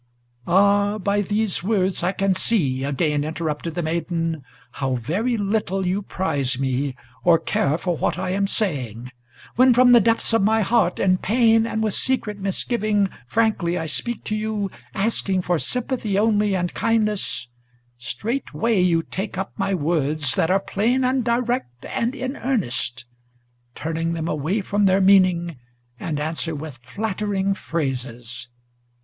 "Ah, by these words, I can see," again interrupted the maiden, "How very little you prize me, or care for what I am saying. When from the depths of my heart, in pain and with secret misgiving, Frankly I speak to you, asking for sympathy only and kindness, Straightway you take up my words, that are plain and direct and in earnest, Turn them away from their meaning, and answer with flattering phrases.